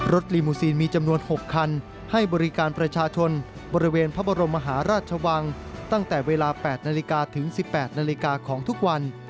ลีมูซีนมีจำนวน๖คันให้บริการประชาชนบริเวณพระบรมมหาราชวังตั้งแต่เวลา๘นาฬิกาถึง๑๘นาฬิกาของทุกวัน